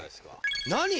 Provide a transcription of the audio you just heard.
何？